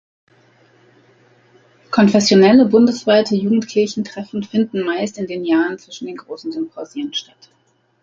Konfessionelle bundesweite Jugendkirchen-Treffen finden meist in den Jahren zwischen den großen Symposien statt.